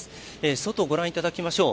外、ご覧いただきましょう。